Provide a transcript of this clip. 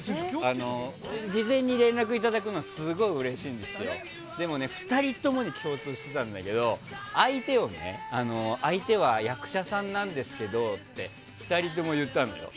事前に連絡をいただくのはすごいうれしいんですけどでもね、２人ともに共通してたんだけど相手は役者さんなんですけどって２人とも言ったのよ。